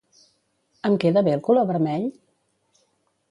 Em queda bé el color vermell?